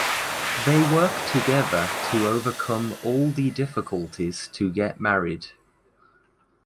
They work together to overcome all the difficulties to get married.